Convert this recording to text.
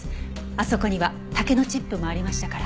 あそこには竹のチップもありましたから。